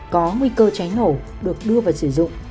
có nguy cơ cháy nổ được đưa vào sử dụng